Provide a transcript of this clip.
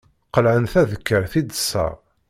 Qelɛen tadekkart i ddser.